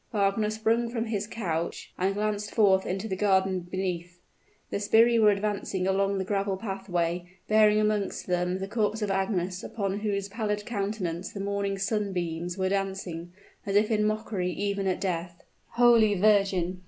Wagner sprung from his couch, and glanced forth into the garden beneath. The sbirri were advancing along the gravel pathway, bearing amongst them the corpse of Agnes upon whose pallid countenance the morning sunbeams were dancing, as if in mockery even at death. "Holy Virgin!